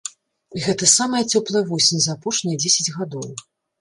Гэта самая цёплая восень за апошнія дзесяць гадоў.